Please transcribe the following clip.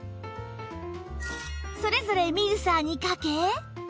それぞれミルサーにかけ